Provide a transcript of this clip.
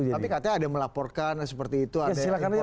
tapi katanya ada melaporkan seperti itu ada informasi